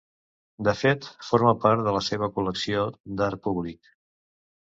De fet, forma part de la seva col·lecció d'art públic.